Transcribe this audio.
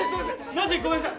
マジでごめんなさい。